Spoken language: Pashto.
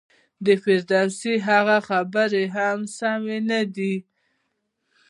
د فردوسي هغه خبره هم سمه نه ده.